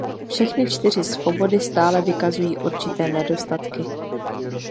Všechny čtyři svobody stále vykazují určité nedostatky.